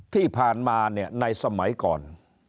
ที่ผ่านมาในสมัยก่อน